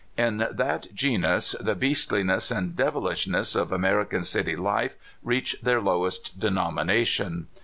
In that genus the beasthness and devihshness of American city life reach their lowest denomination.